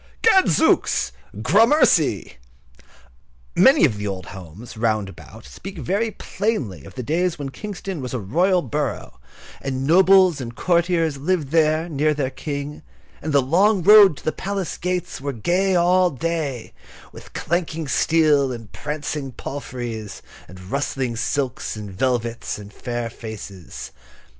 Gadzooks, gramercy." Many of the old houses, round about, speak very plainly of those days when Kingston was a royal borough, and nobles and courtiers lived there, near their King, and the long road to the palace gates was gay all day with clanking steel and prancing palfreys, and rustling silks and velvets, and fair faces.